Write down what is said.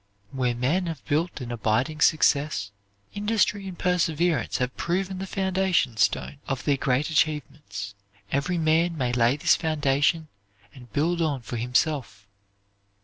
Where men have built an abiding success, industry and perseverance have proven the foundation stone? of their great achievements. Every man may lay this foundation and build on it for himself.